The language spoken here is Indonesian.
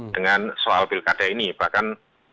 dengan soal pilkada ini bahkan